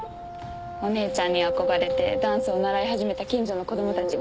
お姉ちゃんに憧れてダンスを習い始めた近所の子供たちもいて。